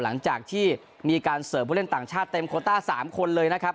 หลังจากที่มีการเสิร์ฟผู้เล่นต่างชาติเต็มโคต้า๓คนเลยนะครับ